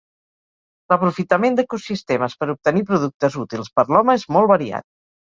L'aprofitament d'ecosistemes per obtenir productes útils per l'home és molt variat.